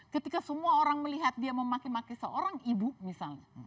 ketika semua orang melihat dia memaki maki seorang ibu misalnya